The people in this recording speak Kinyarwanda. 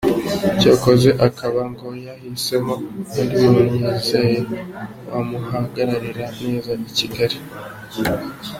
Icyakora akaba ngo yahisemo undi muntu yizeye wamuhagararira neza i Kigali.